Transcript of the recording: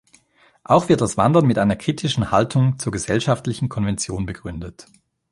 Auch wird das Wandern mit einer kritischen Haltung zur gesellschaftlichen Konvention begründet.